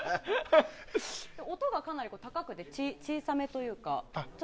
音がかなり高くて小さめというか。